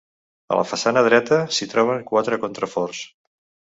A la façana dreta s'hi troben quatre contraforts.